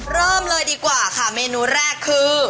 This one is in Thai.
เริ่มเลยดีกว่าค่ะเมนูแรกคือ